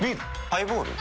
ハイボール？